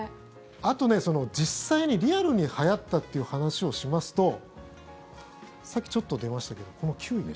あと、実際にリアルにはやったという話をしますとさっきちょっと出ましたけど９位。